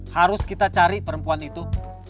harus kita cari perempuan itu